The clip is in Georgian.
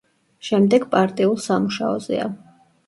შემდეგ პარტიულ სამუშაოზეა.